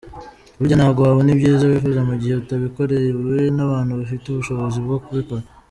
Burya ntabwo wabona ibyiza wifuza mu gihe utabikorewe n’abantu bafite ubushobozi bwo kubikora.